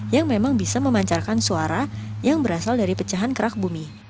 yang memang bisa memancarkan suara yang berasal dari pecahan kerak bumi